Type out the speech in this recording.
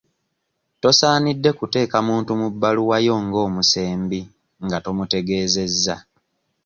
Tosaanidde kuteeka muntu mu bbaluwa yo nga omusembi nga tomutegeezezza.